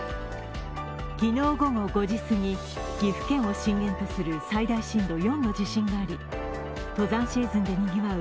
昨日午後５時すぎ、岐阜県を震源とする最大震度４の地震があり登山シーズンでにぎわう